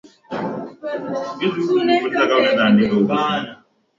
barack obama akiwa katika ziara yake ya siku kumi huko barani asia